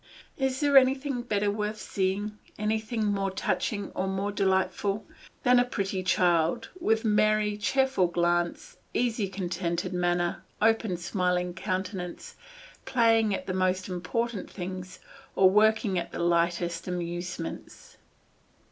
Is there anything better worth seeing, anything more touching or more delightful, than a pretty child, with merry, cheerful glance, easy contented manner, open smiling countenance, playing at the most important things, or working at the lightest amusements?